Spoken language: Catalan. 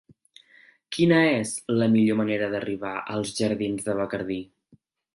Quina és la millor manera d'arribar als jardins de Bacardí?